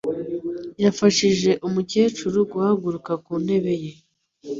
Yafashije umukecuru guhaguruka ku ntebe ye.